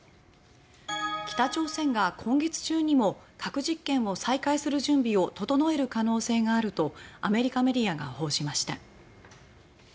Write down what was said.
北朝鮮が今月中にも核実験を再開する準備を整える可能性があるとアメリカメディアが報じました。